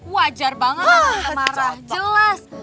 wajar banget marah jelas